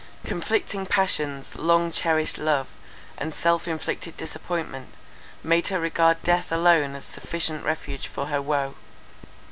Conflicting passions, long cherished love, and self inflicted disappointment, made her regard death alone as sufficient refuge for her woe.